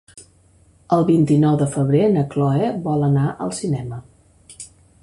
El vint-i-nou de febrer na Chloé vol anar al cinema.